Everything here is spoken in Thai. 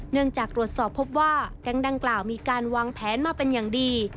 เนื่องจากตรวจสอบพบว่าแก๊งดังกล่าวมีการวางแผนมาเป็นอย่างดี